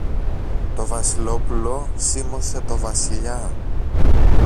Το Βασιλόπουλο σίμωσε το Βασιλιά.